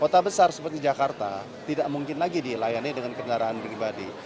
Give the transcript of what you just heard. kota besar seperti jakarta tidak mungkin lagi dilayani dengan kendaraan pribadi